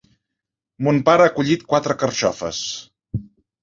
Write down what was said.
Mon pare ha collit quatre carxofes.